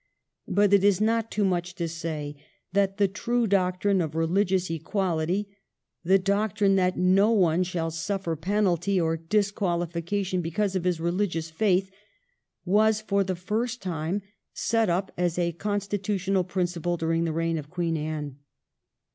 But it is not too much to say that the true doctrine of religious equality — the doctrine that no one shall suffer penalty or disqualification because of his religious faith — was for the first time set up as a constitutional principle during the reign of Queen Anne.